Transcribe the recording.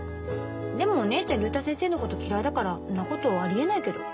でもお姉ちゃん竜太先生のこと嫌いだからんなことありえないけど。